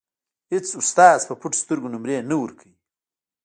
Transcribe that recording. اېڅ استاد په پټو سترګو نومرې نه ورکوي.